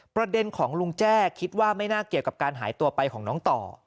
ประเด็นของลุงแจ้คิดว่าไม่น่าเกี่ยวกับการหายตัวไปของน้องต่อ